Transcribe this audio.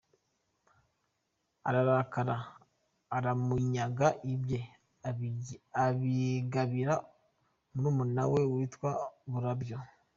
Ararakara aramunyaga, ibye abigabira murumuna we witwa Burabyo.